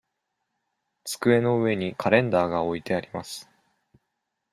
机の上にカレンダーが置いてあります。